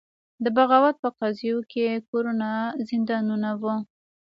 د بغاوت په قضیو کې کورونه زندانونه وو.